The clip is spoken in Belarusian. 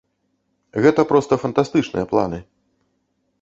Гэта проста фантастычныя планы.